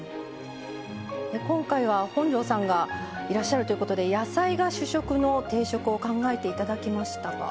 今回は本上さんがいらっしゃるということで野菜が主食の定食を考えて頂きましたが。